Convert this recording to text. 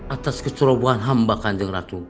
atas keserobohan hamba kandeng ratu